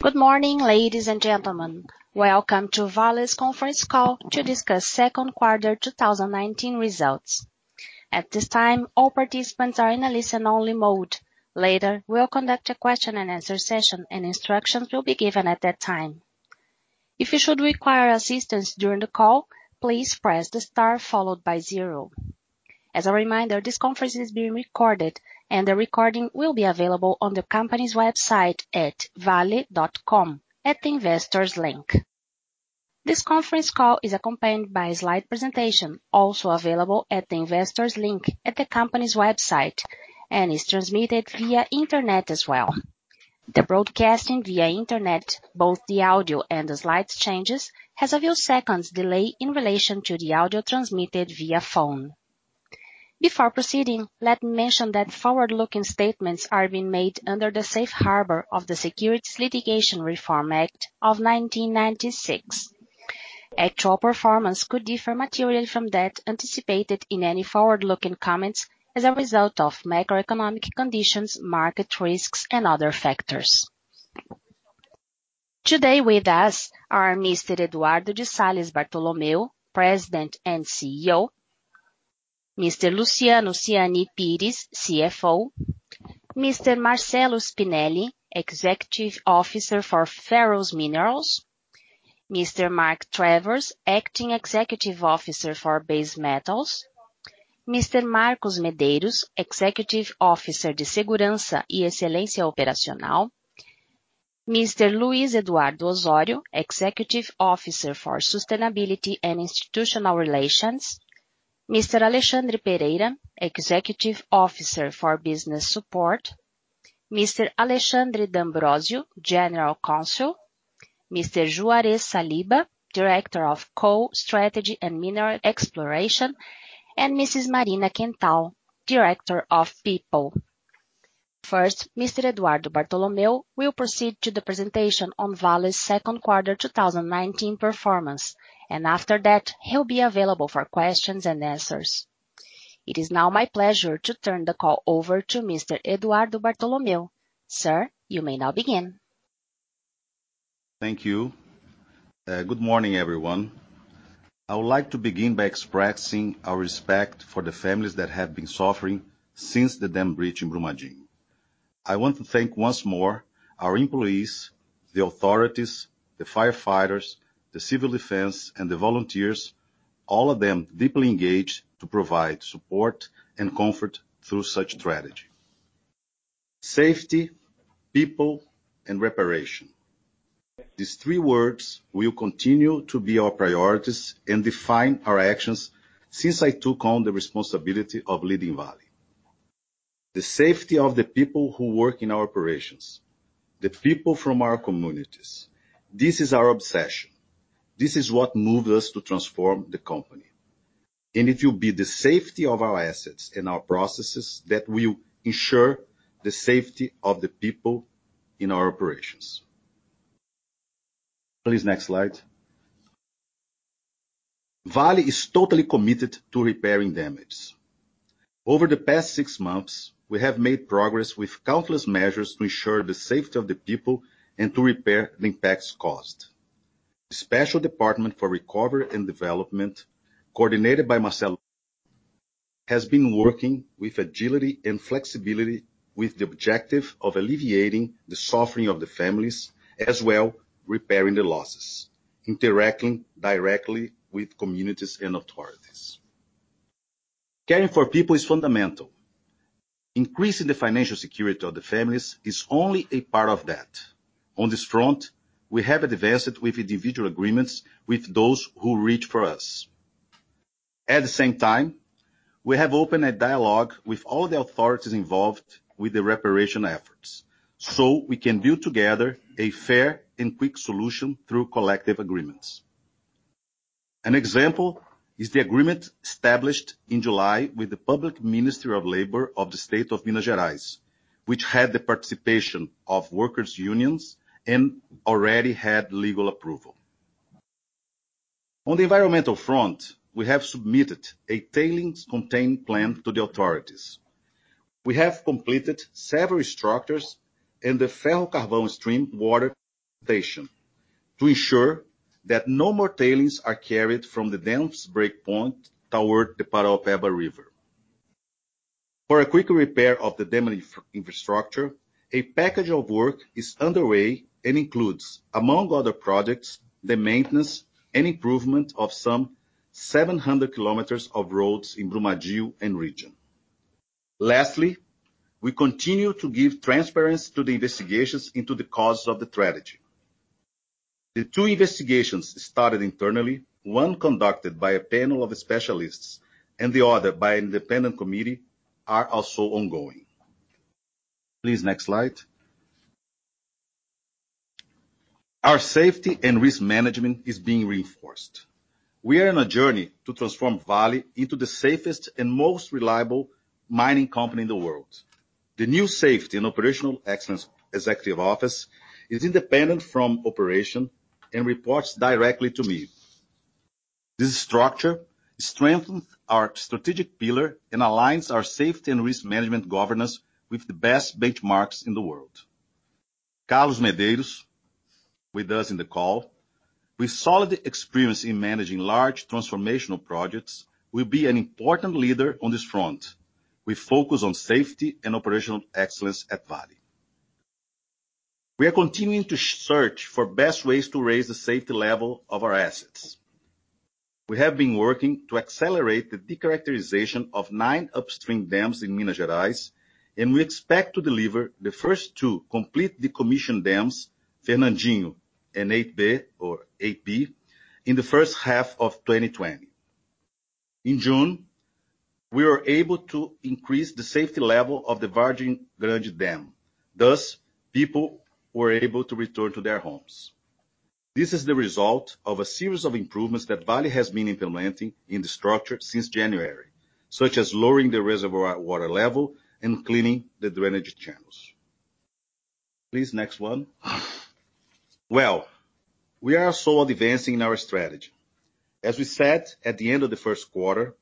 Good morning, ladies and gentlemen. Welcome to Vale's conference call to discuss second quarter 2019 results. At this time, all participants are in a listen only mode. Later, we'll conduct a question and answer session. Instructions will be given at that time. If you should require assistance during the call, please press the star followed by zero. As a reminder, this conference is being recorded. The recording will be available on the company's website at vale.com, at the investors link. This conference call is accompanied by a slide presentation, also available at the investors link at the company's website. It is transmitted via internet as well. The broadcasting via internet, both the audio and the slides changes, has a few seconds delay in relation to the audio transmitted via phone. Before proceeding, let me mention that forward-looking statements are being made under the Safe Harbor of the Securities Litigation Reform Act of 1996. Actual performance could differ materially from that anticipated in any forward-looking comments as a result of macroeconomic conditions, market risks and other factors. Today with us are Mr. Eduardo de Sales Bartolomeo, President and CEO. Mr. Luciano Siani Pires, CFO. Mr. Marcelo Spinelli, Executive Officer for Ferrous Minerals. Mr. Mark Travers, Acting Executive Officer for Base Metals. Mr. Marcos Medeiros, Executive Officer de Segurança e Excelência Operacional. Mr. Luiz Eduardo Osorio, Executive Officer for Sustainability and Institutional Relations. Mr. Alexandre Pereira, Executive Officer for Business Support. Mr. Alexandre D'Ambrosio, General Counsel. Mr. Juarez Saliba, Director of Coal, Strategy and Mineral Exploration. Mrs. Marina Quental, Director of People. First, Mr. Eduardo Bartolomeo will proceed to the presentation on Vale's second quarter 2019 performance, and after that, he'll be available for questions and answers. It is now my pleasure to turn the call over to Mr. Eduardo Bartolomeo. Sir, you may now begin. Thank you. Good morning, everyone. I would like to begin by expressing our respect for the families that have been suffering since the dam breach in Brumadinho. I want to thank once more our employees, the authorities, the firefighters, the civil defense, and the volunteers, all of them deeply engaged to provide support and comfort through such tragedy. Safety, people, and reparation. These three words will continue to be our priorities and define our actions since I took on the responsibility of leading Vale. The safety of the people who work in our operations, the people from our communities. This is our obsession. This is what moves us to transform the company. It will be the safety of our assets and our processes that will ensure the safety of the people in our operations. Please, next slide. Vale is totally committed to repairing damage. Over the past six months, we have made progress with countless measures to ensure the safety of the people and to repair the impacts caused. The special department for recovery and development, coordinated by Marcel, has been working with agility and flexibility with the objective of alleviating the suffering of the families, as well repairing the losses, interacting directly with communities and authorities. Caring for people is fundamental. Increasing the financial security of the families is only a part of that. On this front, we have advanced with individual agreements with those who reach for us. At the same time, we have opened a dialogue with all the authorities involved with the reparation efforts. We can build together a fair and quick solution through collective agreements. An example is the agreement established in July with the Public Ministry of Labor of the State of Minas Gerais, which had the participation of workers' unions and already had legal approval. On the environmental front, we have submitted a tailings contained plan to the authorities. We have completed several structures in the Ferro-Carvão stream water station to ensure that no more tailings are carried from the dam's breakpoint toward the Paraopeba River. For a quick repair of the damaged infrastructure, a package of work is underway and includes, among other projects, the maintenance and improvement of some 700 km of roads in Brumadinho and region. Lastly, we continue to give transparency to the investigations into the causes of the tragedy. The two investigations started internally, one conducted by a panel of specialists and the other by an an independent committee, are also ongoing. Please, next slide. Our safety and risk management is being reinforced. We are on a journey to transform Vale into the safest and most reliable mining company in the world. The new Safety and Operational Excellence Executive Office is independent from operation and reports directly to me. This structure strengthens our strategic pillar and aligns our safety and risk management governance with the best benchmarks in the world. Carlos Medeiros, with us in the call, with solid experience in managing large transformational projects, will be an important leader on this front. We focus on safety and operational excellence at Vale. We are continuing to search for best ways to raise the safety level of our assets. We have been working to accelerate the de-characterization of nine upstream dams in Minas Gerais, and we expect to deliver the first two complete decommissioned dams, Fernandinho and 8B, in the first half of 2020. In June, we were able to increase the safety level of the Vargem Grande dam. Thus, people were able to return to their homes. This is the result of a series of improvements that Vale has been implementing in the structure since January, such as lowering the reservoir water level and cleaning the drainage channels. Please, next one. Well, we are also advancing in our strategy. As we said at the end of the first quarter,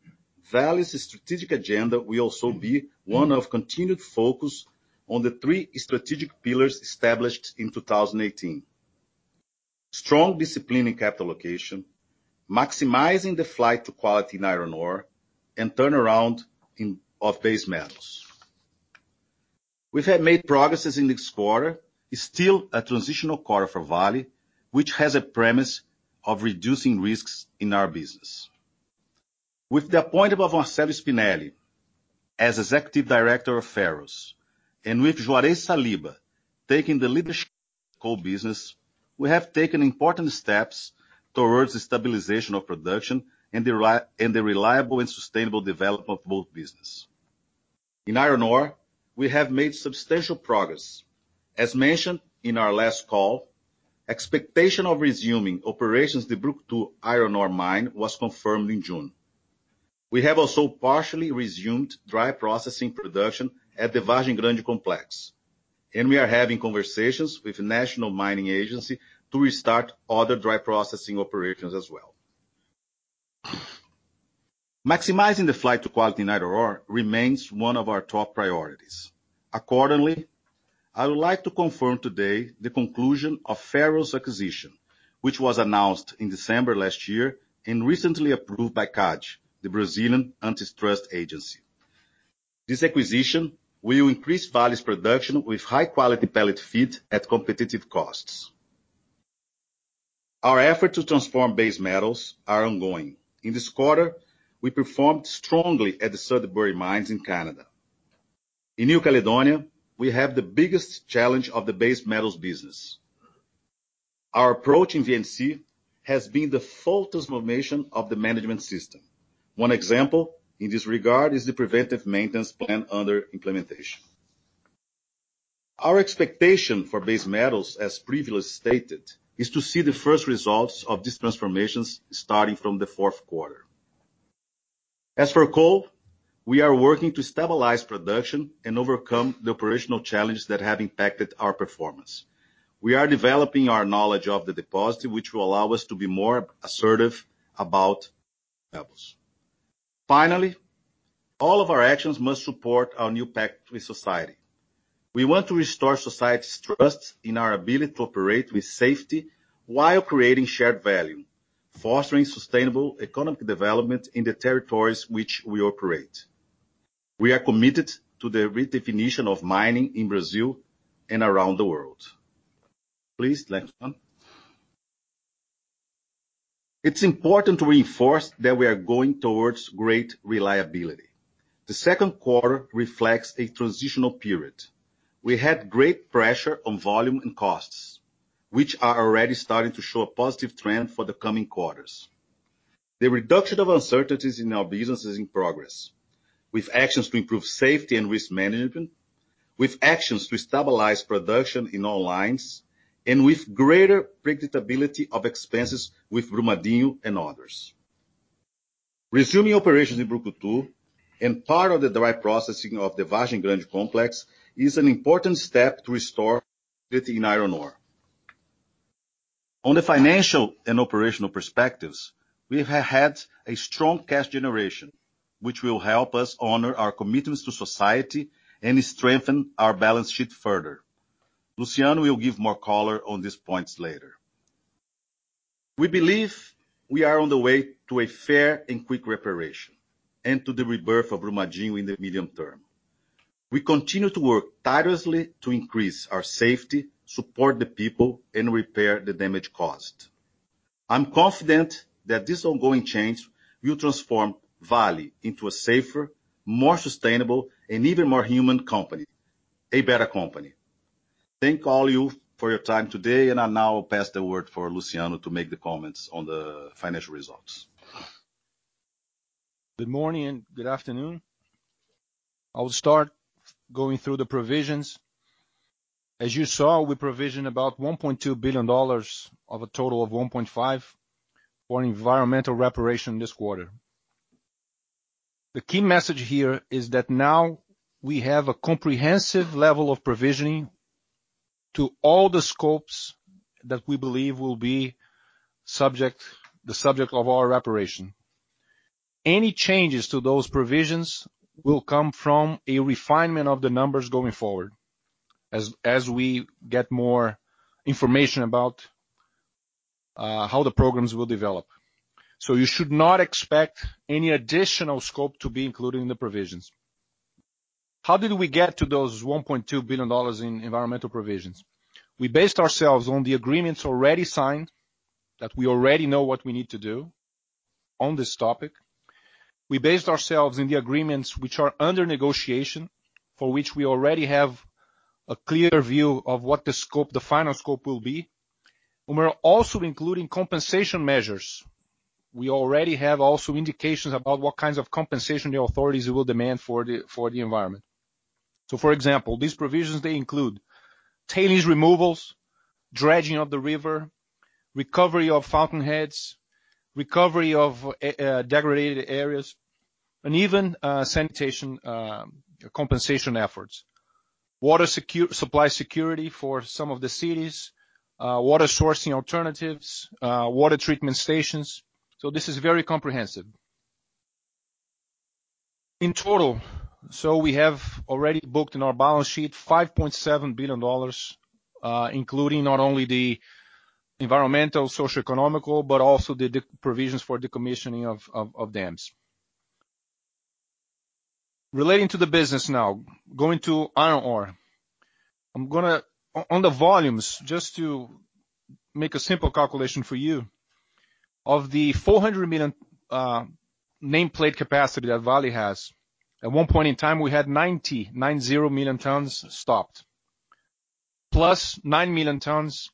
Vale's strategic agenda will also be one of continued focus on the three strategic pillars established in 2018. Strong discipline in capital allocation, maximizing the flight to quality in iron ore, and turnaround of base metals. We have made progress in this quarter. It's still a transitional quarter for Vale, which has a premise of reducing risks in our business. With the appointment of Marcelo Spinelli as Executive Director of Ferrous, and with Juarez Saliba taking the leadership coal business, we have taken important steps towards the stabilization of production and the reliable and sustainable development of both business. In iron ore, we have made substantial progress. As mentioned in our last call, expectation of resuming operations at the Brucutu Iron Ore mine was confirmed in June. We have also partially resumed dry processing production at the Vargem Grande Complex, and we are having conversations with the National Mining Agency to restart other dry processing operations as well. Maximizing the flight to quality in iron ore remains one of our top priorities. Accordingly, I would like to confirm today the conclusion of Ferrous acquisition, which was announced in December last year and recently approved by CADE, the Brazilian antitrust agency. This acquisition will increase Vale's production with high-quality pellet feed at competitive costs. Our effort to transform Base Metals are ongoing. In this quarter, we performed strongly at the Sudbury mines in Canada. In New Caledonia, we have the biggest challenge of the Base Metals business. Our approach in VNC has been the full transformation of the management system. One example in this regard is the preventive maintenance plan under implementation. Our expectation for Base Metals, as previously stated, is to see the first results of these transformations starting from the fourth quarter. As for coal, we are working to stabilize production and overcome the operational challenges that have impacted our performance. We are developing our knowledge of the deposit, which will allow us to be more assertive about levels. Finally, all of our actions must support our new pact with society. We want to restore society's trust in our ability to operate with safety while creating shared value, fostering sustainable economic development in the territories which we operate. We are committed to the redefinition of mining in Brazil and around the world. Please, next one. It's important to reinforce that we are going towards great reliability. The second quarter reflects a transitional period. We had great pressure on volume and costs, which are already starting to show a positive trend for the coming quarters. The reduction of uncertainties in our business is in progress. With actions to improve safety and risk management, with actions to stabilize production in all lines, and with greater predictability of expenses with Brumadinho and others. Resuming operations in Brucutu and part of the direct processing of the Vargem Grande Complex is an important step to restore in iron ore. On the financial and operational perspectives, we have had a strong cash generation, which will help us honor our commitments to society and strengthen our balance sheet further. Luciano will give more color on these points later. We believe we are on the way to a fair and quick reparation and to the rebirth of Brumadinho in the medium term. We continue to work tirelessly to increase our safety, support the people, and repair the damage caused. I'm confident that this ongoing change will transform Vale into a safer, more sustainable, and even more human company. A better company. Thank all you for your time today, I'll now pass the word for Luciano to make the comments on the financial results. Good morning and good afternoon. I will start going through the provisions. As you saw, we provisioned about $1.2 billion of a total of $1.5 billion for environmental reparation this quarter. The key message here is that now we have a comprehensive level of provisioning to all the scopes that we believe will be the subject of our reparation. Any changes to those provisions will come from a refinement of the numbers going forward as we get more information about how the programs will develop. You should not expect any additional scope to be included in the provisions. How did we get to those $1.2 billion in environmental provisions? We based ourselves on the agreements already signed that we already know what we need to do on this topic. We based ourselves in the agreements which are under negotiation, for which we already have a clear view of what the final scope will be. We're also including compensation measures. We already have also indications about what kinds of compensation the authorities will demand for the environment. For example, these provisions include tailings removals, dredging of the river, recovery of fountainheads, recovery of degraded areas, and even sanitation compensation efforts, water supply security for some of the cities, water sourcing alternatives, water treatment stations. This is very comprehensive. In total, we have already booked in our balance sheet $5.7 billion, including not only the environmental, socioeconomic, but also the provisions for decommissioning of dams. Relating to the business now, going to iron ore. On the volumes, just to make a simple calculation for you. Of the 400 million nameplate capacity that Vale has, at one point in time, we had 90 million tons stopped. Plus 9 million tons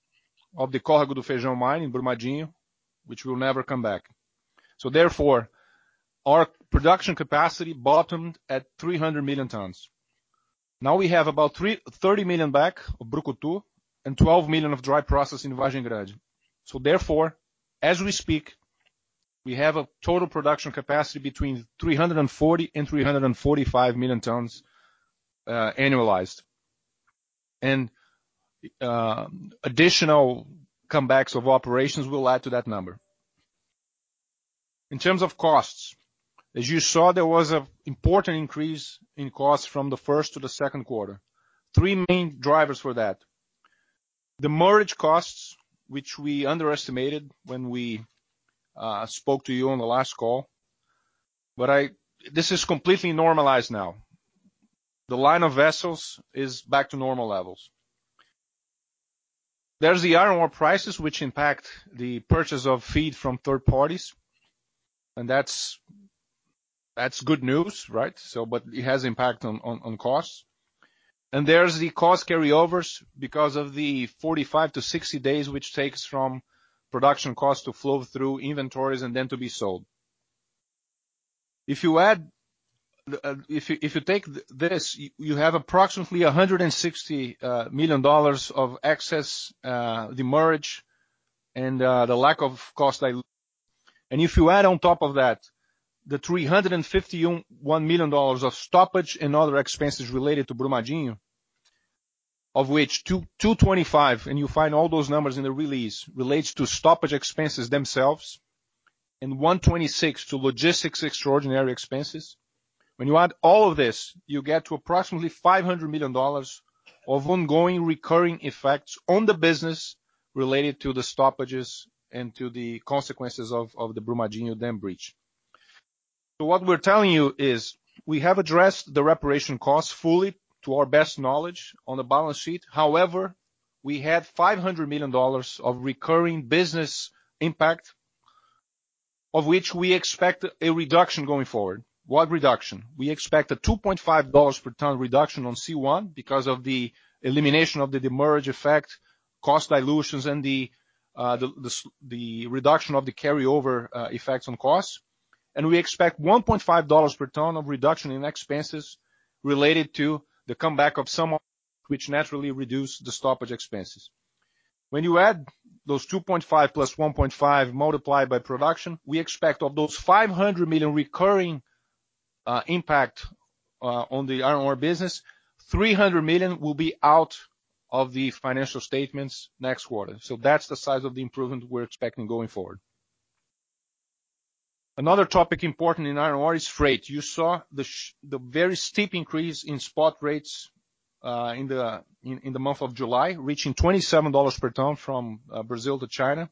of the Córrego do Feijão mine in Brumadinho, which will never come back. Therefore, our production capacity bottomed at 300 million tons. Now we have about 30 million back of Brucutu and 12 million of dry process in Vargem Grande. Therefore, as we speak, we have a total production capacity between 340 million-345 million tons annualized. Additional comebacks of operations will add to that number. In terms of costs, as you saw, there was an important increase in costs from the first to the second quarter. Three main drivers for that. Demurrage costs, which we underestimated when we spoke to you on the last call. This is completely normalized now. The line of vessels is back to normal levels. There's the iron ore prices, which impact the purchase of feed from third parties, and that's good news, right? It has impact on costs. There's the cost carryovers because of the 45-60 days which takes from production costs to flow through inventories and then to be sold. If you take this, you have approximately $160 million of excess demurrage and the lack of cost. If you add on top of that, the $351 million of stoppage and other expenses related to Brumadinho, of which $225, and you find all those numbers in the release, relates to stoppage expenses themselves, and $126 to logistics extraordinary expenses. When you add all of this, you get to approximately $500 million of ongoing recurring effects on the business related to the stoppages and to the consequences of the Brumadinho dam breach. What we're telling you is we have addressed the reparation cost fully to our best knowledge on the balance sheet. However, we have $500 million of recurring business impact, of which we expect a reduction going forward. What reduction? We expect a $2.50 per ton reduction on C1 because of the elimination of the demurrage effect, cost dilutions, and the reduction of the carryover effects on costs. We expect $1.50 per ton of reduction in expenses related to the comeback of some which naturally reduce the stoppage expenses. When you add those 2.5 plus 1.5 multiplied by production, we expect of those $500 million recurring impact on the iron ore business, $300 million will be out of the financial statements next quarter. That's the size of the improvement we're expecting going forward. Another topic important in iron ore is freight. You saw the very steep increase in spot rates in the month of July, reaching $27 per ton from Brazil to China.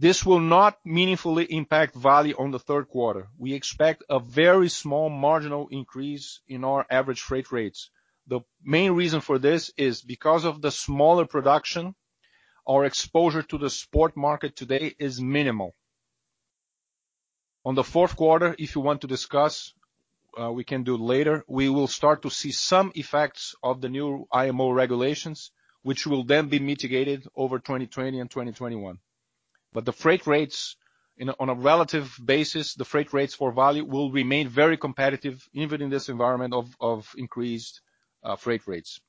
This will not meaningfully impact Vale on the third quarter. We expect a very small marginal increase in our average freight rates. The main reason for this is because of the smaller production, our exposure to the spot market today is minimal. On the fourth quarter, if you want to discuss, we can do later. We will start to see some effects of the new IMO regulations, which will then be mitigated over 2020 and 2021. The freight rates on a relative basis, the freight rates for Vale will remain very competitive even in this environment of increased freight rates.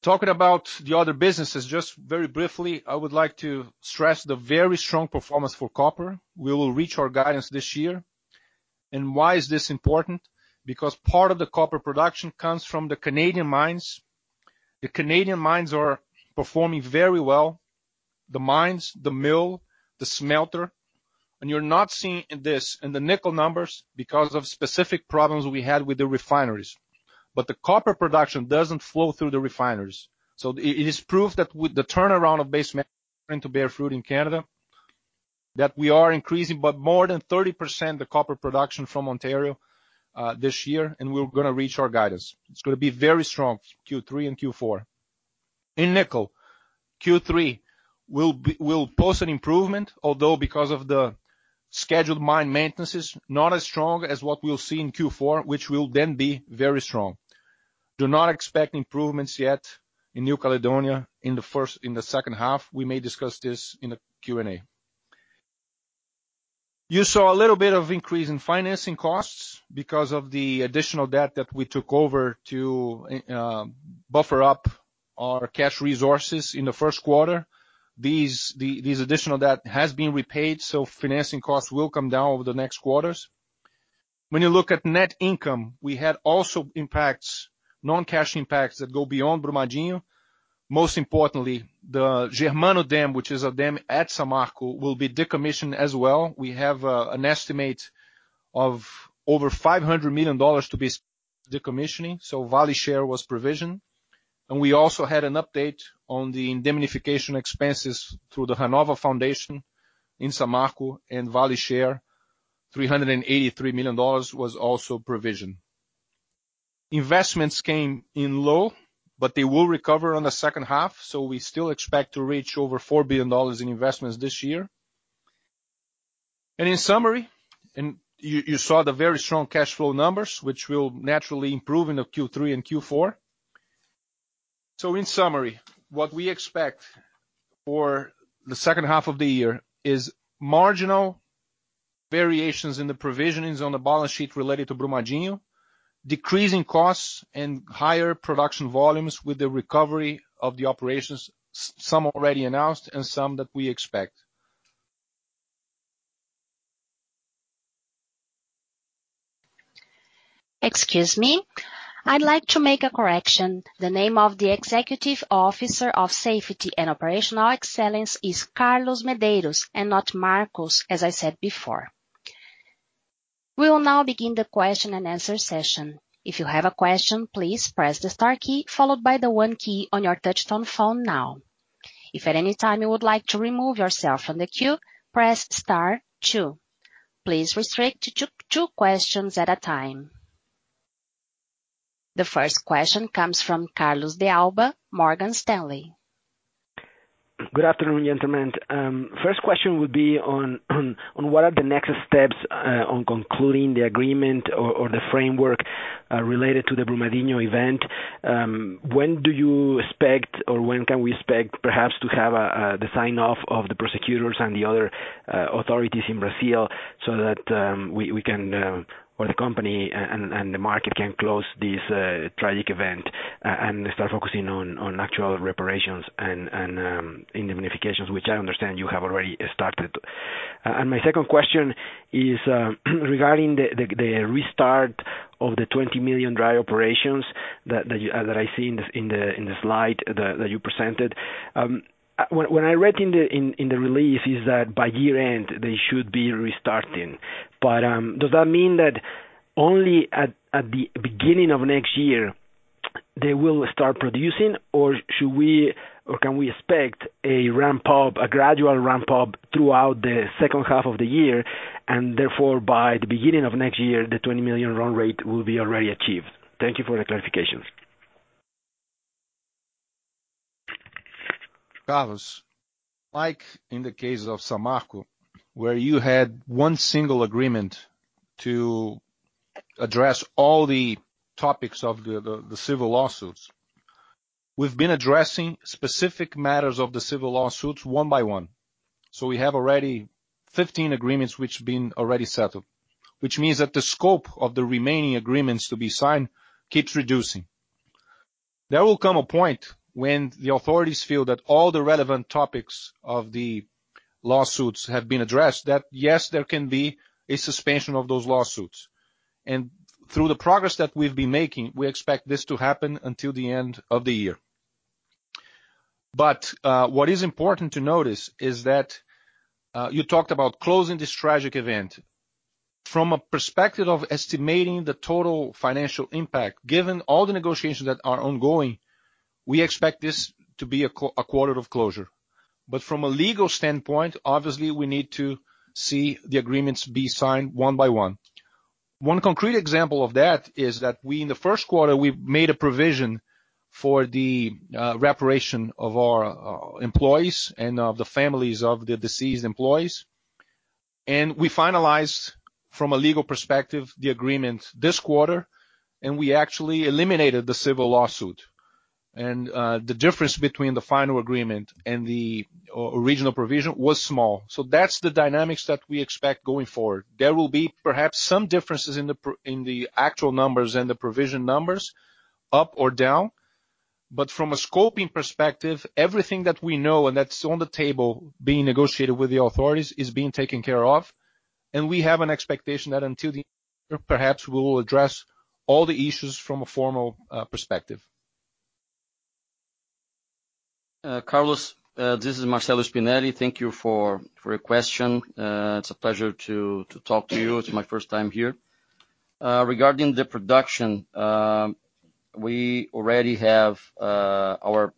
Talking about the other businesses, just very briefly, I would like to stress the very strong performance for copper. We will reach our guidance this year. Why is this important? Because part of the copper production comes from the Canadian mines. The Canadian mines are performing very well. The mines, the mill, the smelter. You're not seeing this in the nickel numbers because of specific problems we had with the refineries. The copper production doesn't flow through the refineries. It is proof that with the turnaround of base metal going to bear fruit in Canada, that we are increasing by more than 30% the copper production from Ontario this year, and we're gonna reach our guidance. It's gonna be very strong, Q3 and Q4. In nickel, Q3 will post an improvement, although because of the scheduled mine maintenances, not as strong as what we'll see in Q4, which will then be very strong. Do not expect improvements yet in New Caledonia in the second half. We may discuss this in the Q&A. You saw a little bit of increase in financing costs because of the additional debt that we took over to buffer up our cash resources in the first quarter. This additional debt has been repaid, so financing costs will come down over the next quarters. When you look at net income, we had also non-cash impacts that go beyond Brumadinho. Most importantly, the Germano dam, which is a dam at Samarco, will be decommissioned as well. We have an estimate of over $500 million to be decommissioning, so Vale share was provisioned. We also had an update on the indemnification expenses through the Renova Foundation in Samarco and Vale share, $383 million was also provisioned. Investments came in low, but they will recover on the second half, so we still expect to reach over $4 billion in investments this year. You saw the very strong cash flow numbers, which will naturally improve into Q3 and Q4. In summary, what we expect for the second half of the year is marginal variations in the provisionings on the balance sheet related to Brumadinho, decreasing costs and higher production volumes with the recovery of the operations, some already announced and some that we expect. Excuse me. I'd like to make a correction. The name of the Executive Officer of Safety and Operational Excellence is Carlos Medeiros, and not Marcos, as I said before. We will now begin the question and answer session. If you have a question, please press the star key followed by the one key on your touch tone phone now. If at any time you would like to remove yourself from the queue, press star two. Please restrict to two questions at a time. The first question comes from Carlos de Alba, Morgan Stanley. Good afternoon, gentlemen. First question would be on what are the next steps on concluding the agreement or the framework related to the Brumadinho event. When do you expect, or when can we expect perhaps to have the sign-off of the prosecutors and the other authorities in Brazil so that we can, or the company and the market can close this tragic event, and start focusing on actual reparations and indemnifications, which I understand you have already started. My second question is regarding the restart of the 20 million dry operations that I see in the slide that you presented. What I read in the release is that by year-end, they should be restarting. Does that mean that only at the beginning of next year they will start producing, or can we expect a gradual ramp-up throughout the second half of the year, therefore by the beginning of next year, the 20 million run rate will be already achieved? Thank you for the clarifications. Carlos, like in the case of Samarco, where you had one single agreement to address all the topics of the civil lawsuits. We've been addressing specific matters of the civil lawsuits one by one. We have already 15 agreements which have been already settled, which means that the scope of the remaining agreements to be signed keeps reducing. There will come a point when the authorities feel that all the relevant topics of the lawsuits have been addressed, that yes, there can be a suspension of those lawsuits. Through the progress that we've been making, we expect this to happen until the end of the year. What is important to notice is that you talked about closing this tragic event. From a perspective of estimating the total financial impact, given all the negotiations that are ongoing, we expect this to be a quarter of closure. From a legal standpoint, obviously, we need to see the agreements be signed one by one. One concrete example of that is that we, in the first quarter, we made a provision for the reparation of our employees and of the families of the deceased employees. We finalized, from a legal perspective, the agreement this quarter, and we actually eliminated the civil lawsuit. The difference between the final agreement and the original provision was small. That's the dynamics that we expect going forward. There will be perhaps some differences in the actual numbers and the provision numbers up or down. From a scoping perspective, everything that we know and that's on the table being negotiated with the authorities is being taken care of, and we have an expectation that until the perhaps we will address all the issues from a formal perspective. Carlos, this is Marcelo Spinelli. Thank you for your question. It's a pleasure to talk to you. It's my first time here. Regarding the production, we already have our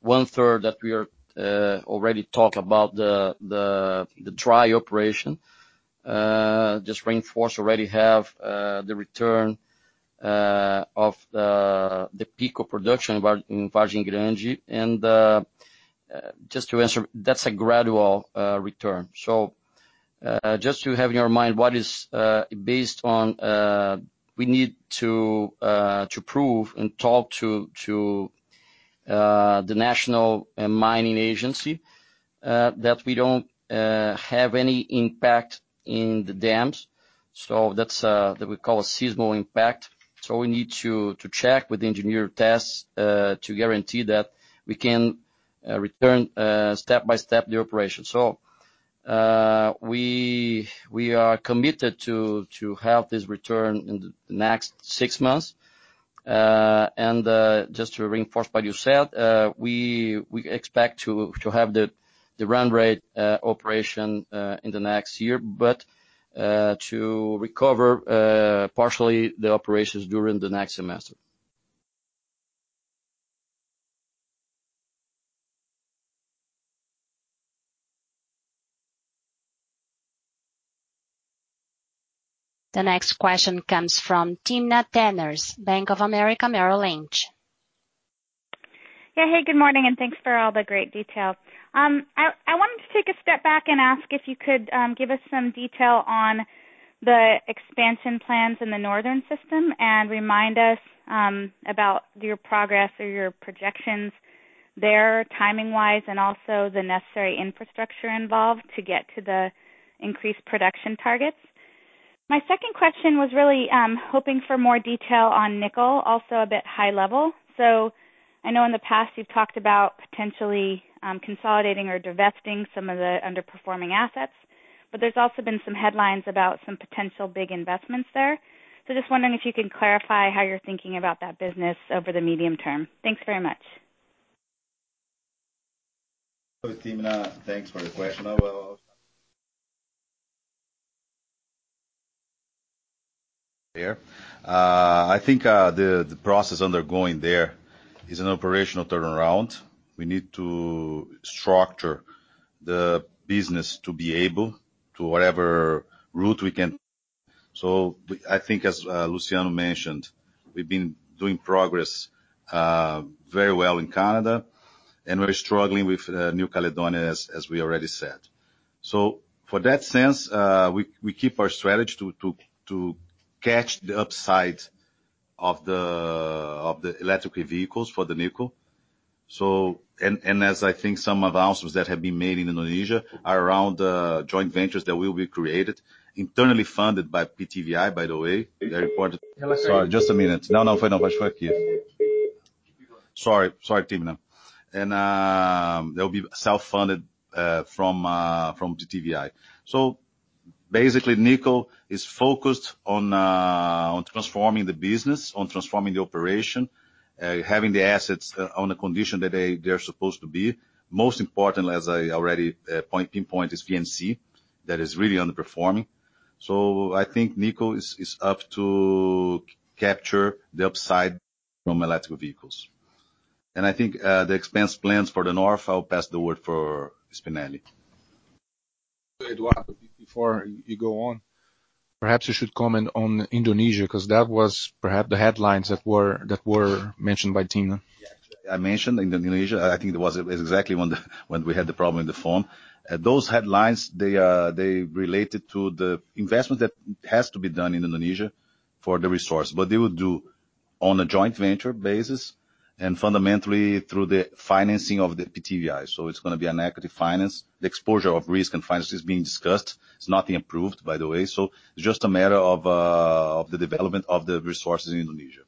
one-third that we are already talk about the dry operation. Just reinforce, already have the return of the peak of production in Vargem Grande. Just to answer, that's a gradual return. Just to have in your mind what is based on, we need to prove and talk to the National Mining Agency that we don't have any impact in the dams. That we call a seasonal impact. We need to check with engineer tests to guarantee that we can return, step by step, the operation. We are committed to have this return in the next 6 months. Just to reinforce what you said, we expect to have the run rate operation in the next year, but to recover partially the operations during the next semester. The next question comes from Timna Tanners, Bank of America Merrill Lynch. Yeah. Hey, good morning, thanks for all the great detail. I wanted to take a step back and ask if you could give us some detail on the expansion plans in the northern system and remind us about your progress or your projections there, timing wise, and also the necessary infrastructure involved to get to the increased production targets. My second question was really hoping for more detail on nickel, also a bit high level. I know in the past you've talked about potentially consolidating or divesting some of the underperforming assets, but there's also been some headlines about some potential big investments there. Just wondering if you can clarify how you're thinking about that business over the medium term. Thanks very much. Timna, thanks for the question. I will here. I think the process undergoing there is an operational turnaround. We need to structure the business to be able to whatever route we can. I think, as Luciano mentioned, we've been doing progress very well in Canada, and we're struggling with New Caledonia, as we already said. For that sense, we keep our strategy to catch the upside of the electric vehicles for the nickel. As I think some announcements that have been made in Indonesia are around the joint ventures that will be created internally funded by PTVI, by the way, very important. Sorry, just a minute. No, I'm fine. Keep going. Sorry, Timna. They'll be self-funded from PTVI. Basically, nickel is focused on transforming the business, on transforming the operation, having the assets on a condition that they're supposed to be. Most importantly, as I already pinpoint, is VNC, that is really underperforming. I think nickel is up to capture the upside from electrical vehicles. I think the expense plans for the north, I'll pass the word for Marcelo Spinelli. Eduardo, before you go on, perhaps you should comment on Indonesia, because that was perhaps the headlines that were mentioned by Timna. Yeah. I mentioned Indonesia. I think that was exactly when we had the problem with the phone. Those headlines, they related to the investment that has to be done in Indonesia for the resource. They will do on a joint venture basis and fundamentally through the financing of the PTVI. It's going to be an equity finance. The exposure of risk and finance is being discussed. It's nothing approved, by the way. It's just a matter of the development of the resources in Indonesia.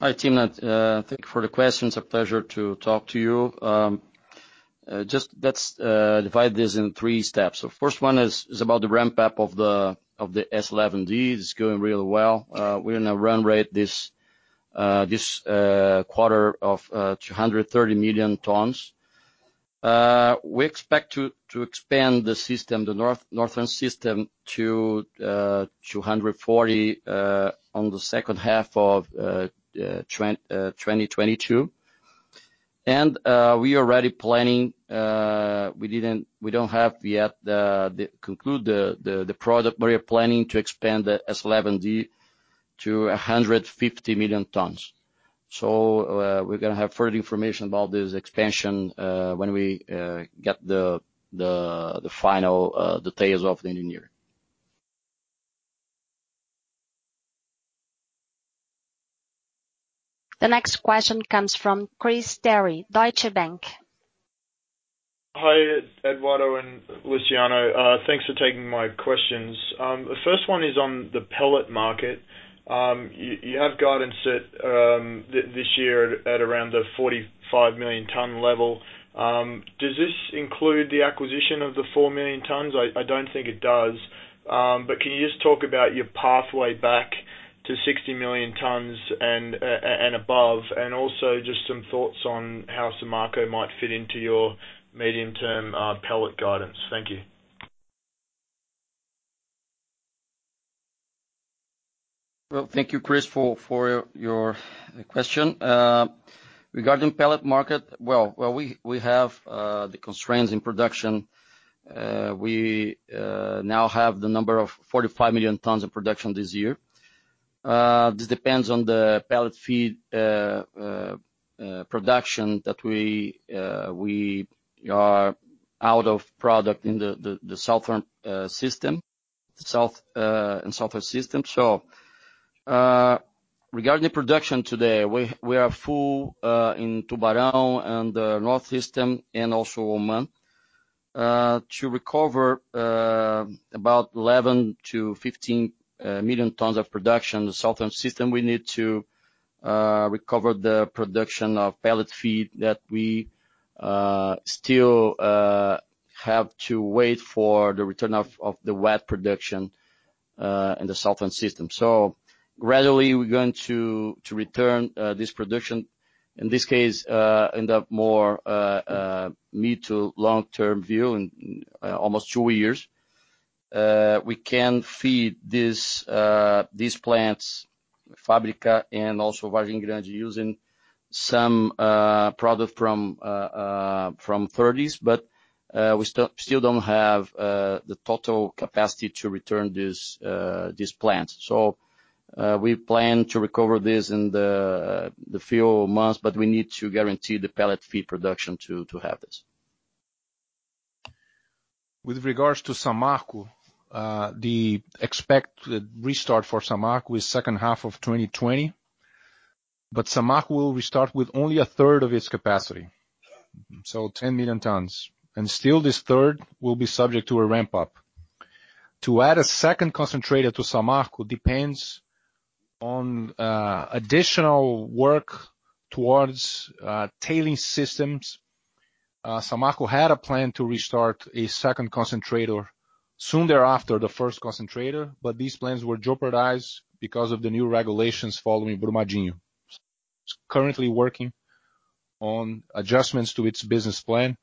Hi, Timna. Thank you for the question. It's a pleasure to talk to you. Just let's divide this in three steps. First one is about the ramp-up of the S11D. It's going really well. We're going to run rate this quarter of 230 million tons. We expect to expand the system, the northern system, to 240 on the second half of 2022. We're already planning. We don't have yet conclude the project. We're planning to expand the S11D to 150 million tons. We're going to have further information about this expansion when we get the final details of the engineering. The next question comes from Chris Terry, Deutsche Bank. Hi Eduardo and Luciano. Thanks for taking my questions. The first one is on the pellet market. You have guidance set this year at around the 45 million ton level. Does this include the acquisition of the 4 million tons? I don't think it does. Can you just talk about your pathway back to 60 million tons and above? Also just some thoughts on how Samarco might fit into your medium-term pellet guidance. Thank you. Well, thank you, Chris, for your question. Regarding pellet market, well, we have the constraints in production. We now have the number of 45 million tons of production this year. This depends on the pellet feed production that we are out of product in the southern system. Regarding the production today, we are full in Tubarão and the north system and also Oman. To recover about 11 to 15 million tons of production in the southern system, we need to recover the production of pellet feed that we still have to wait for the return of the wet production in the southern system. Gradually we're going to return this production, in this case, end up more mid to long term view in almost two years. We can feed these plants, Fábrica and also Vargem Grande using some product from Ferrous, but we still don't have the total capacity to return these plants. We plan to recover this in the few months, but we need to guarantee the pellet feed production to have this. With regards to Samarco, the expected restart for Samarco is second half of 2020, but Samarco will restart with only a third of its capacity, so 10 million tons. Still this third will be subject to a ramp up. To add a second concentrator to Samarco depends on additional work towards tailings systems. Samarco had a plan to restart a second concentrator soon thereafter the first concentrator, but these plans were jeopardized because of the new regulations following Brumadinho. It's currently working on adjustments to its business plan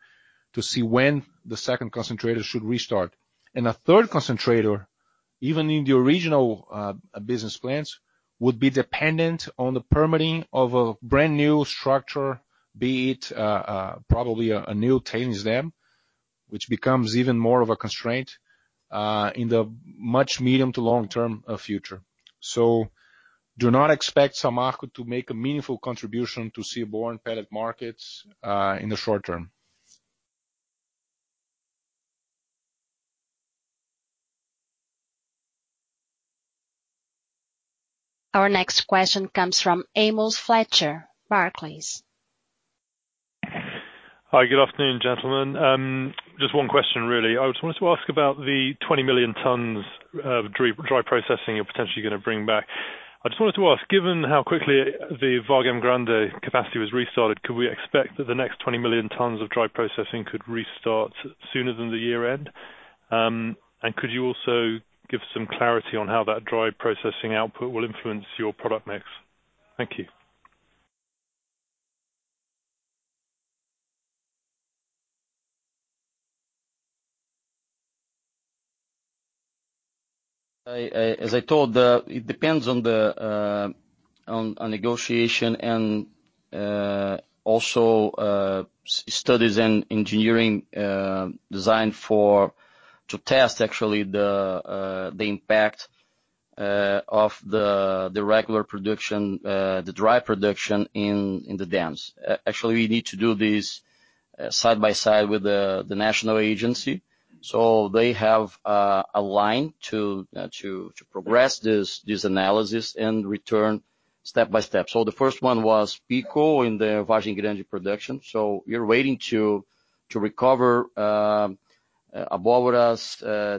to see when the second concentrator should restart. A third concentrator, even in the original business plans, would be dependent on the permitting of a brand-new structure, be it probably a new tailings dam, which becomes even more of a constraint in the much medium to long-term future. Do not expect Samarco to make a meaningful contribution to seaborne pellet markets in the short term. Our next question comes from Amos Fletcher, Barclays. Hi, good afternoon, gentlemen. Just one question really. I just wanted to ask about the 20 million tons of dry processing you're potentially gonna bring back. I just wanted to ask, given how quickly the Vargem Grande capacity was restarted, could we expect that the next 20 million tons of dry processing could restart sooner than the year end? Could you also give some clarity on how that dry processing output will influence your product mix? Thank you. As I told, it depends on negotiation and also studies in engineering designed to test actually the impact of the regular production, the dry production in the dams. Actually, we need to do this side by side with the National Mining Agency. They have a line to progress this analysis and return step by step. The first one was Pico in the Vargem Grande production. We're waiting to recover Abóboras,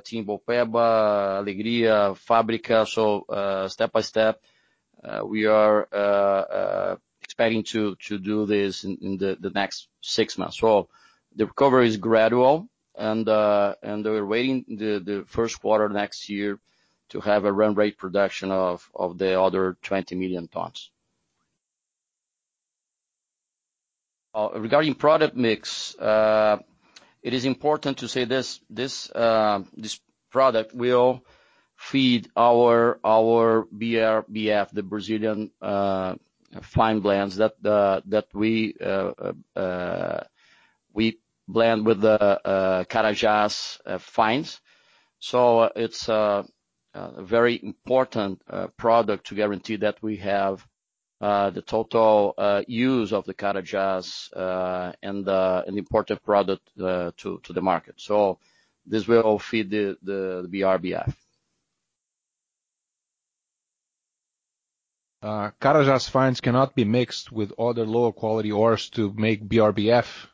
Timbopeba, Alegria, Fábrica. Step by step, we are expecting to do this in the next six months. The recovery is gradual, and we're waiting the first quarter next year to have a run rate production of the other 20 million tons. Regarding product mix, it is important to say this product will feed our BRBF, the Brazilian fine blends that we blend with the Carajás fines. It's a very important product to guarantee that we have the total use of the Carajás and the important product to the market. This will all feed the BRBF. Carajás fines cannot be mixed with other lower quality ores to make BRBF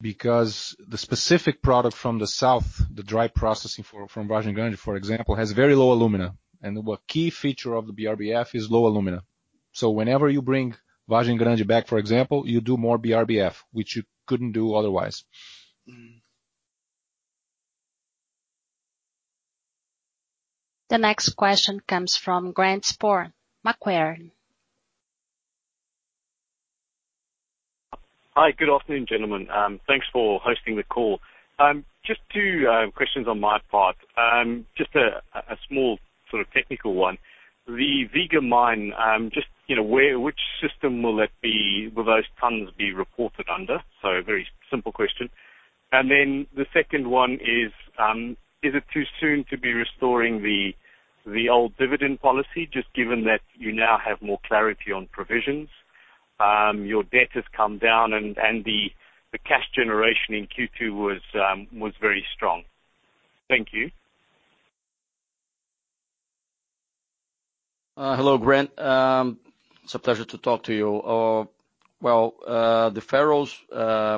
because the specific product from the south, the dry processing from Vargem Grande, for example, has very low alumina. A key feature of the BRBF is low alumina. Whenever you bring Vargem Grande back, for example, you do more BRBF, which you couldn't do otherwise. The next question comes from Grant Sporre, Macquarie. Hi. Good afternoon, gentlemen. Thanks for hosting the call. Just two questions on my part. Just a small sort of technical one. The Viga mine, just which system will those tons be reported under? A very simple question. The second one is it too soon to be restoring the old dividend policy, just given that you now have more clarity on provisions, your debt has come down, and the cash generation in Q2 was very strong? Thank you. Hello, Grant. It's a pleasure to talk to you. Well, the Ferrous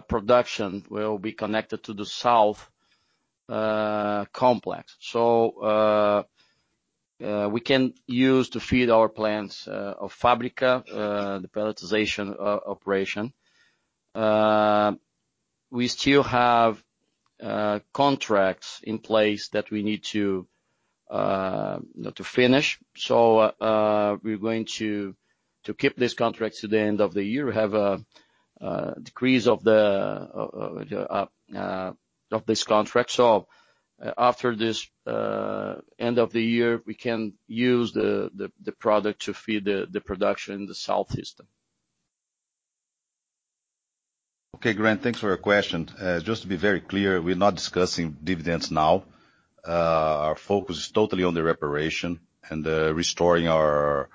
production will be connected to the south complex. We can use to feed our plants of Fábrica, the pelletization operation. We still have contracts in place that we need to finish. We're going to keep these contracts to the end of the year. We have a decrease of these contracts. After this end of the year, we can use the product to feed the production in the south system. Okay, Grant, thanks for your question. Just to be very clear, we're not discussing dividends now. Our focus is totally on the reparation and restoring our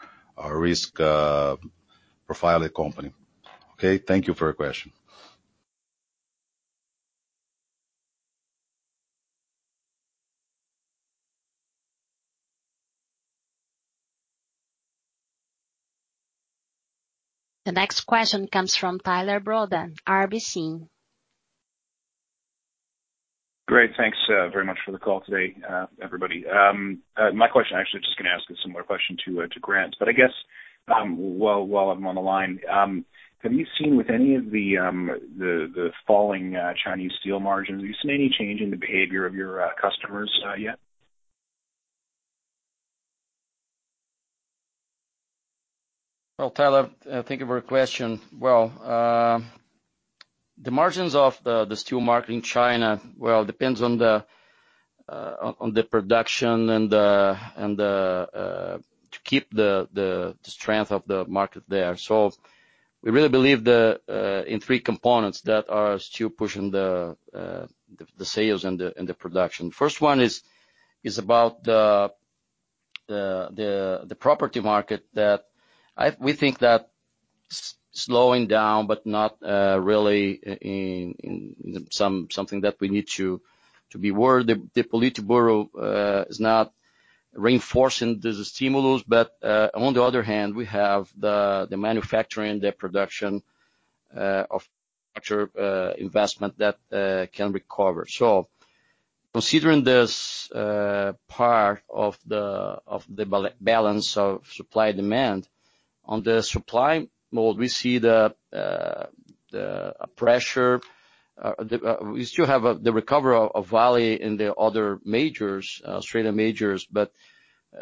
risk profile of the company. Okay, thank you for your question. The next question comes from Tyler Broda, RBC. Great. Thanks very much for the call today, everybody. My question actually, just gonna ask a similar question to Grant. I guess, while I'm on the line, have you seen with any of the falling Chinese steel margins, have you seen any change in the behavior of your customers yet? Well, Tyler, thank you for your question. The margins of the steel market in China, well, depends on the production and to keep the strength of the market there. We really believe in three components that are still pushing the sales and the production. First one is about the property market that we think that slowing down, but not really something that we need to be worried. The Politburo is not reinforcing the stimulus. On the other hand, we have the manufacturing, the production of future investment that can recover. Considering this part of the balance of supply-demand, on the supply mode, we see the pressure. We still have the recovery of Vale and the other majors, Australian majors, but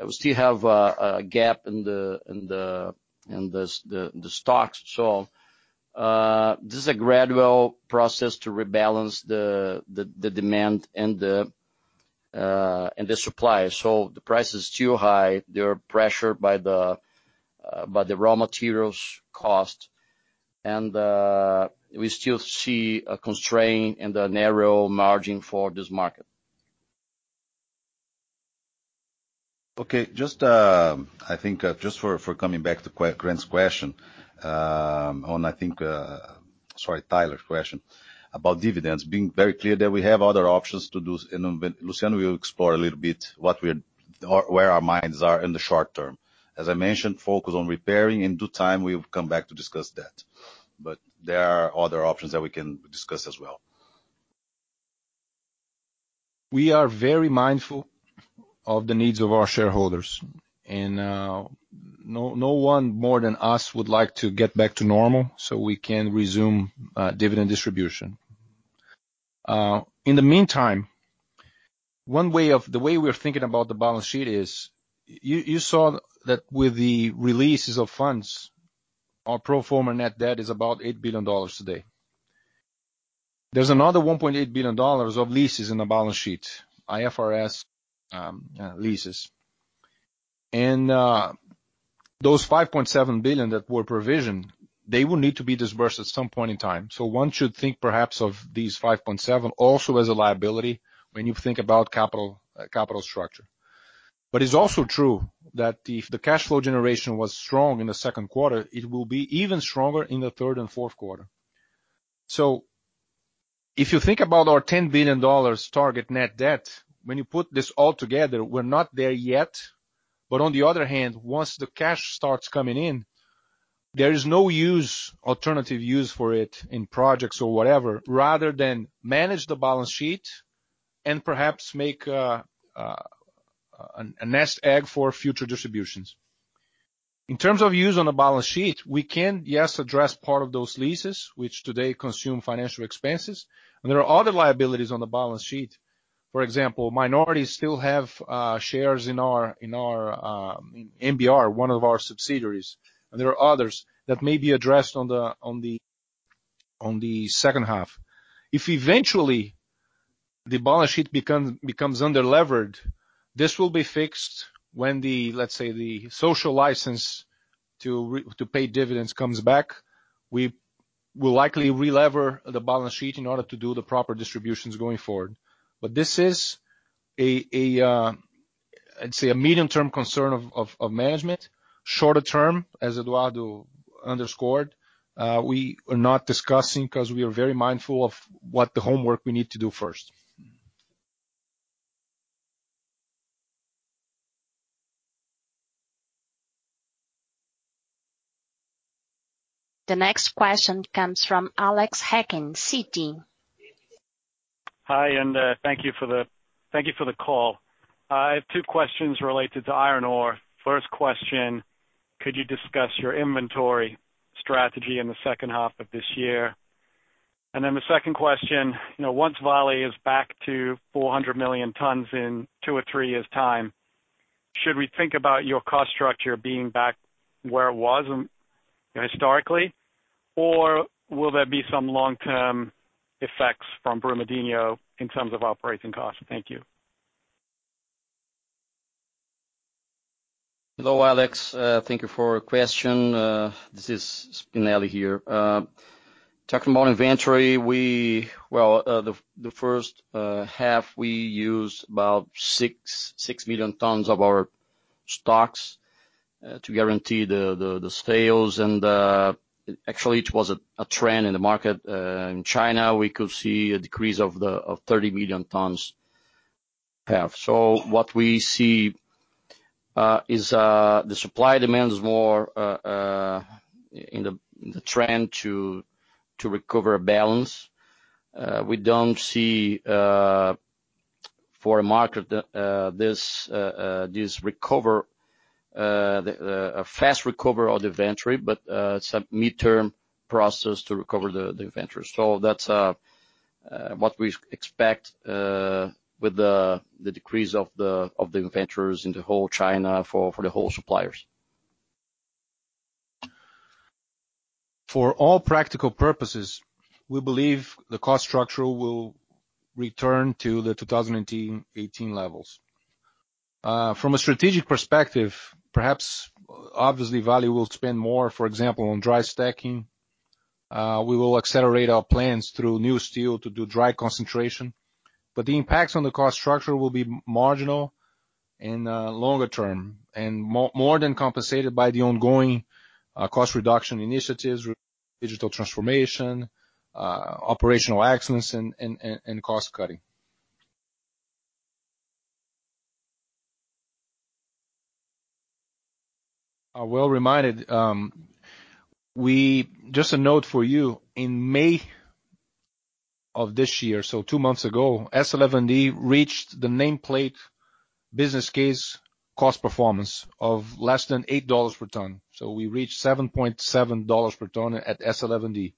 we still have a gap in the stocks. This is a gradual process to rebalance the demand and the supply. The price is too high. They are pressured by the raw materials cost. We still see a constraint and a narrow margin for this market. Okay. Just for coming back to Grant's question, sorry, Tyler's question about dividends. Being very clear that we have other options to do. Luciano will explore a little bit where our minds are in the short term. As I mentioned, focus on repairing. In due time, we will come back to discuss that. There are other options that we can discuss as well. We are very mindful of the needs of our shareholders, and no one more than us would like to get back to normal so we can resume dividend distribution. In the meantime, the way we're thinking about the balance sheet is, you saw that with the releases of funds, our pro forma net debt is about $8 billion today. There's another $1.8 billion of leases in the balance sheet, IFRS leases. Those $5.7 billion that were provisioned, they will need to be disbursed at some point in time. One should think perhaps of these $5.7 also as a liability when you think about capital structure. It's also true that if the cash flow generation was strong in the second quarter, it will be even stronger in the third and fourth quarter. If you think about our $10 billion target net debt, when you put this all together, we're not there yet. On the other hand, once the cash starts coming in, there is no alternative use for it in projects or whatever, rather than manage the balance sheet and perhaps make a nest egg for future distributions. In terms of use on the balance sheet, we can, yes, address part of those leases, which today consume financial expenses. There are other liabilities on the balance sheet. For example, minorities still have shares in MBR, one of our subsidiaries. There are others that may be addressed on the second half. If eventually the balance sheet becomes under-levered, this will be fixed when, let's say, the social license to pay dividends comes back. We will likely re-lever the balance sheet in order to do the proper distributions going forward. This is, I'd say, a medium-term concern of management. Shorter term, as Eduardo underscored, we are not discussing because we are very mindful of what the homework we need to do first. The next question comes from Alex Hacking, Citi. Hi, and thank you for the call. I have two questions related to iron ore. First question, could you discuss your inventory strategy in the second half of this year? Second question, once Vale is back to 400 million tons in two or three years' time, should we think about your cost structure being back where it was historically, or will there be some long-term effects from Brumadinho in terms of operating costs? Thank you. Hello, Alex. Thank you for your question. This is Spinelli here. Talking about inventory, the first half we used about 6 million tons of our stocks to guarantee the sales. Actually it was a trend in the market. In China, we could see a decrease of 30 million tons half. What we see is the supply-demand is more in the trend to recover balance. We don't see for a market this fast recovery of the inventory, but it's a midterm process to recover the inventory. That's what we expect with the decrease of the inventories in the whole China for the whole suppliers. For all practical purposes, we believe the cost structure will return to the 2018 levels. From a strategic perspective, perhaps, obviously, Vale will spend more, for example, on dry stacking. We will accelerate our plans through New Steel to do dry concentration, the impacts on the cost structure will be marginal in longer term and more than compensated by the ongoing cost reduction initiatives, digital transformation, operational excellence, and cost cutting. Well reminded. Just a note for you. In May of this year, so two months ago, S11D reached the nameplate business case cost performance of less than $8 per ton. We reached $7.7 per ton at S11D.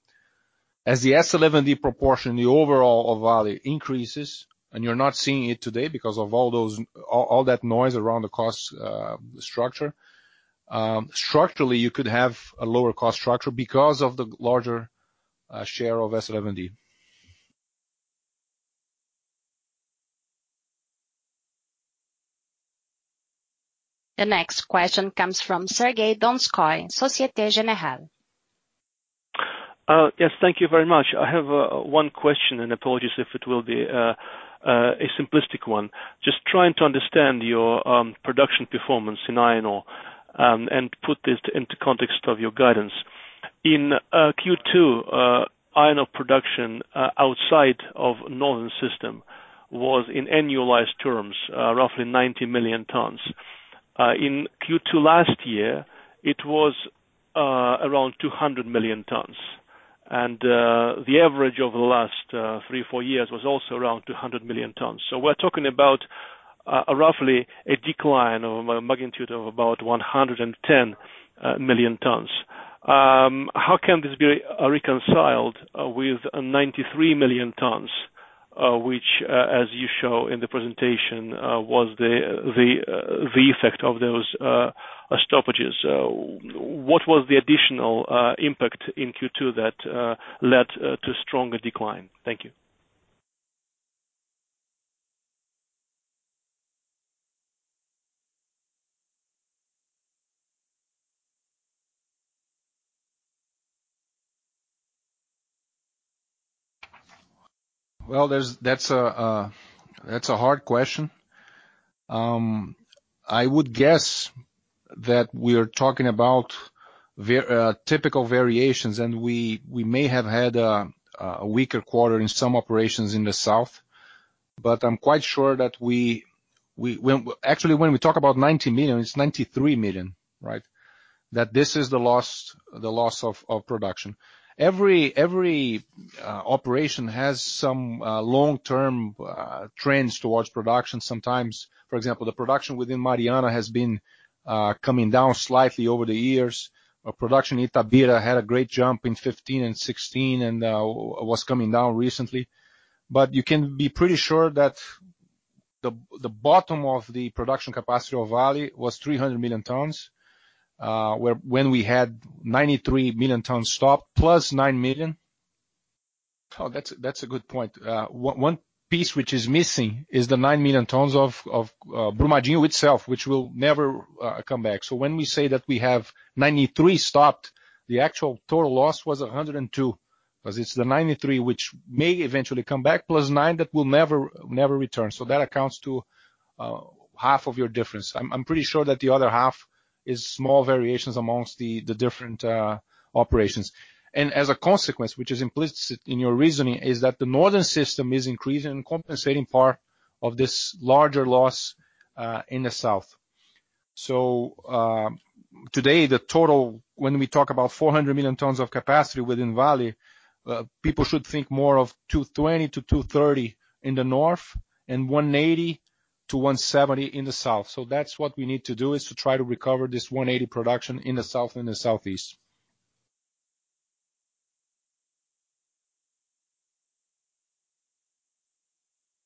As the S11D proportion, the overall of Vale increases, you're not seeing it today because of all that noise around the cost structure. Structurally, you could have a lower cost structure because of the larger share of S11D. The next question comes from Sergey Donskoy, Societe Generale. Yes. Thank you very much. I have one question. Apologies if it will be a simplistic one. Just trying to understand your production performance in iron ore and put this into context of your guidance. In Q2, iron ore production outside of Northern system was in annualized terms roughly 90 million tons. In Q2 last year, it was around 200 million tons. The average over the last three, four years was also around 200 million tons. We're talking about roughly a decline of a magnitude of about 110 million tons. How can this be reconciled with 93 million tons, which, as you show in the presentation, was the effect of those stoppages? What was the additional impact in Q2 that led to stronger decline? Thank you. Well, that's a hard question. I would guess that we are talking about typical variations, and we may have had a weaker quarter in some operations in the south, but I'm quite sure that Actually, when we talk about 90 million, it's 93 million. This is the loss of production. Every operation has some long-term trends towards production. Sometimes, for example, the production within Mariana has been coming down slightly over the years. Our production in Itabira had a great jump in 2015 and 2016 and now was coming down recently. You can be pretty sure that the bottom of the production capacity of Vale was 300 million tons, when we had 93 million tons stopped plus 9 million. Oh, that's a good point. One piece which is missing is the 9 million tons of Brumadinho itself, which will never come back. When we say that we have 93 stopped, the actual total loss was 102 because it's the 93, which may eventually come back, plus nine that will never return. That accounts to half of your difference. I'm pretty sure that the other half is small variations amongst the different operations. As a consequence, which is implicit in your reasoning, is that the northern system is increasing and compensating part of this larger loss in the south. Today, the total, when we talk about 400 million tons of capacity within Vale, people should think more of 220 to 230 in the north and 180 to 170 in the south. That's what we need to do, is to try to recover this 180 production in the south and the southeast.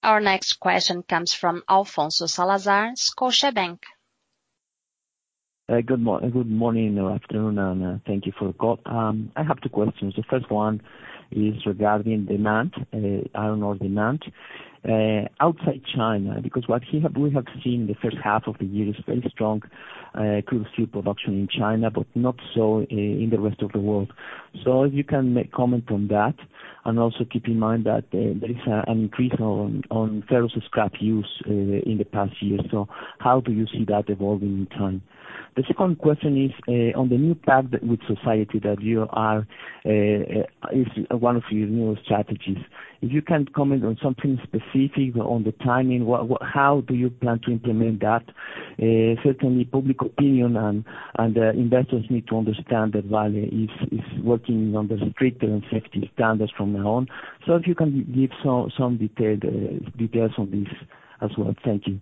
Our next question comes from Alfonso Salazar, Scotiabank. Good morning or afternoon, and thank you for the call. I have two questions. The first one is regarding demand, iron ore demand outside China, because what we have seen the first half of the year is very strong crude steel production in China, but not so in the rest of the world. If you can make comment on that, and also keep in mind that there is an increase on ferrous scrap use in the past year. How do you see that evolving in time? The second question is on the new pact with society that is one of your new strategies. If you can comment on something specific on the timing, how do you plan to implement that? Certainly, public opinion and investors need to understand that Vale is working under stricter and safety standards from now on. If you can give some details on this as well. Thank you.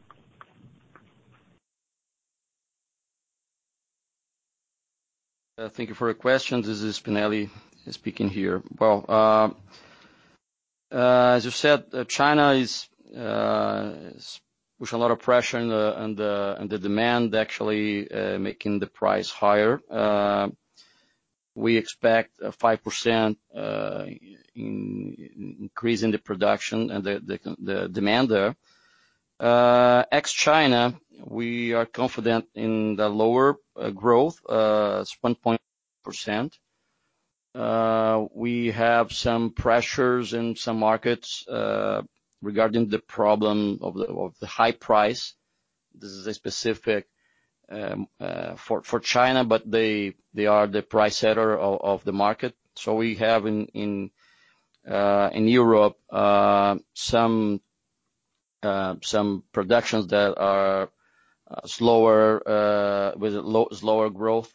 Thank you for your question. This is Spinelli speaking here. Well, as you said, China is pushing a lot of pressure on the demand, actually making the price higher. We expect a 5% increase in the production and the demand there. Ex-China, we are confident in the lower growth, it's 1%. We have some pressures in some markets regarding the problem of the high price. This is specific for China, but they are the price setter of the market. We have in Europe some productions that are slower with lower growth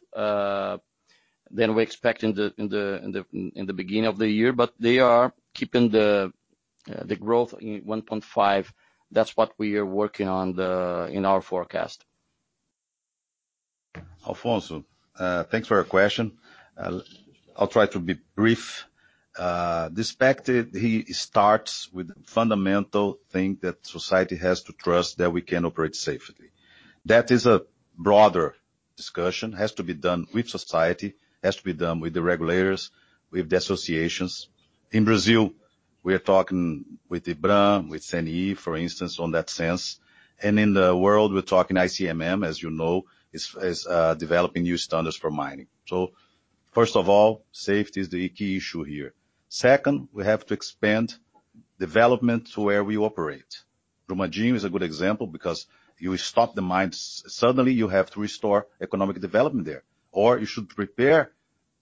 than we expect in the beginning of the year. They are keeping the growth in 1.5%. That's what we are working on in our forecast. Alfonso, thanks for your question. I'll try to be brief. This pact, it starts with the fundamental thing that society has to trust that we can operate safely. That is a broader discussion, has to be done with society, has to be done with the regulators, with the associations. In Brazil, we are talking with IBRAM, with CNI, for instance, on that sense. In the world, we're talking ICMM, as you know, is developing new standards for mining. First of all, safety is the key issue here. Second, we have to expand development to where we operate. Brumadinho is a good example because you stop the mines, suddenly you have to restore economic development there. You should prepare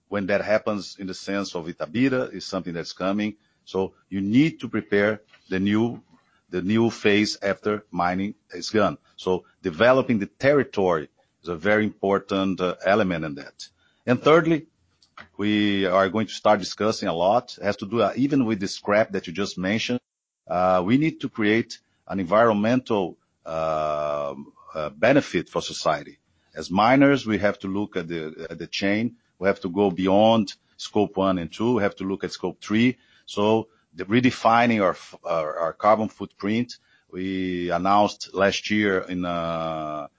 when that happens in the sense of Itabira, is something that's coming. You need to prepare the new phase after mining is gone. Developing the territory is a very important element in that. Thirdly, we are going to start discussing a lot, it has to do even with the scrap that you just mentioned. We need to create an environmental benefit for society. As miners, we have to look at the chain. We have to go beyond Scope 1 and 2, we have to look at Scope 3. Redefining our carbon footprint, we announced last year in a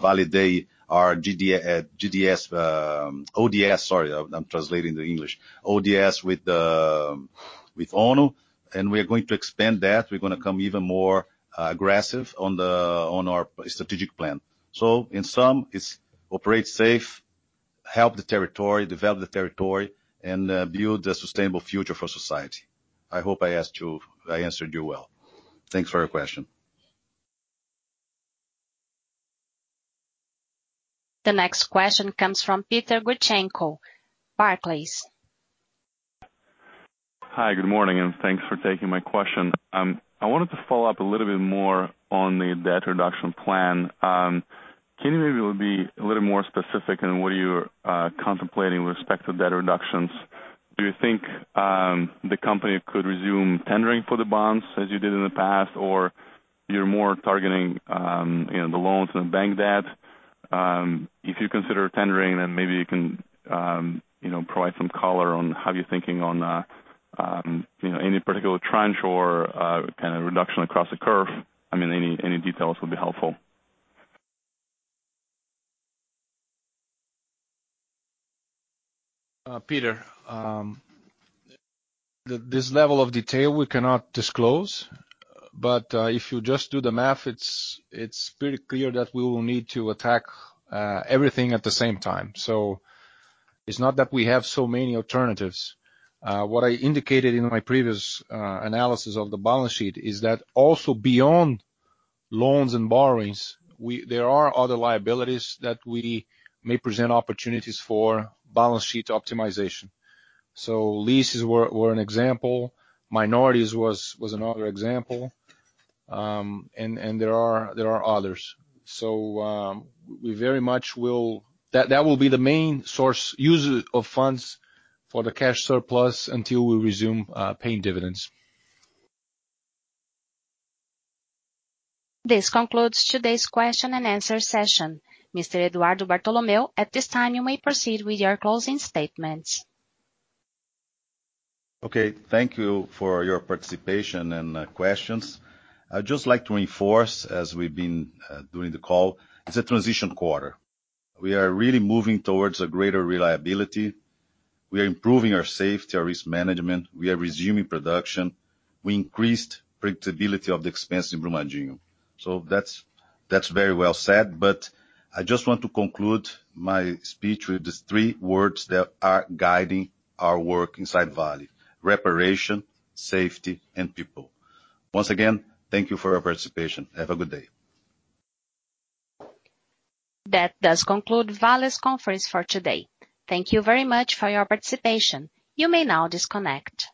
Vale Day our ODS, sorry, I'm translating to English. ODS with ONU, we're going to expand that. We're going to come even more aggressive on our strategic plan. In sum, it's operate safe. Help the territory, develop the territory, and build a sustainable future for society. I hope I answered you well. Thanks for your question. The next question comes from Peter Gurchenko, Barclays. Hi, good morning. Thanks for taking my question. I wanted to follow up a little bit more on the debt reduction plan. Can you maybe be a little more specific on what you're contemplating with respect to debt reductions? Do you think the company could resume tendering for the bonds as you did in the past, or you're more targeting the loans and bank debt? If you consider tendering, maybe you can provide some color on how you're thinking on any particular tranche or reduction across the curve. Any details would be helpful. Peter, this level of detail we cannot disclose. If you just do the math, it's pretty clear that we will need to attack everything at the same time. It's not that we have so many alternatives. What I indicated in my previous analysis of the balance sheet is that also beyond loans and borrowings, there are other liabilities that we may present opportunities for balance sheet optimization. Leases were an example. Minorities was another example. There are others. That will be the main source use of funds for the cash surplus until we resume paying dividends. This concludes today's question and answer session. Mr. Eduardo Bartolomeo, at this time you may proceed with your closing statements. Thank you for your participation and questions. I'd just like to reinforce, as we've been doing the call, it's a transition quarter. We are really moving towards a greater reliability. We are improving our safety, our risk management. We are resuming production. We increased predictability of the expense in Brumadinho. That's very well said. I just want to conclude my speech with the three words that are guiding our work inside Vale: reparation, safety, and people. Once again, thank you for your participation. Have a good day. That does conclude Vale's conference for today. Thank you very much for your participation. You may now disconnect.